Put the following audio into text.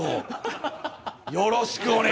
よろしくお願いします。